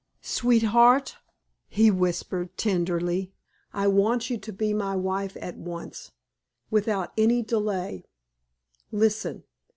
"Sweetheart," he whispered, tenderly, "I want you to be my wife at once without any delay. Listen.